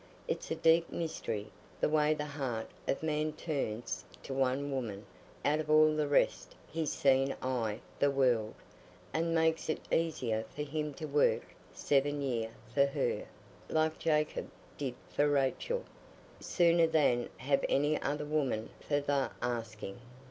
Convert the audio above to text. It's a deep mystery—the way the heart of man turns to one woman out of all the rest he's seen i' the world, and makes it easier for him to work seven year for her, like Jacob did for Rachel, sooner than have any other woman for th' asking.